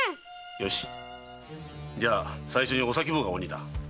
よしじゃ最初にお咲坊が鬼だ。